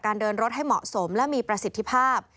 เดินรถให้เหมาะสมและมีประสิทธิภาพ